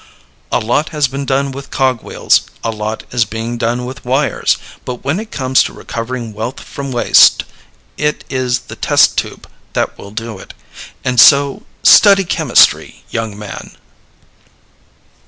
A lot has been done with cog wheels; a lot is being done with wires; but when it comes to recovering wealth from waste, it is the test tube that will do it. And so, study chemistry, young man.